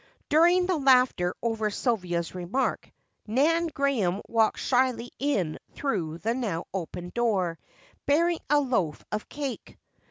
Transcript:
During the laughter over Sylvia's remark, Nan Graham walked shyly in through the now open door, bearing a loaf of cake.